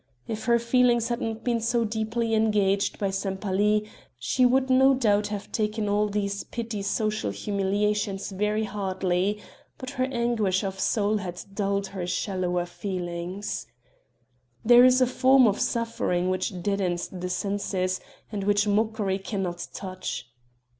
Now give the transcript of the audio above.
If her feelings had not been so deeply engaged by Sempaly she would no doubt have taken all these petty social humiliations very hardly; but her anguish of soul had dulled her shallower feelings. There is a form of suffering which deadens the senses and which mockery cannot touch.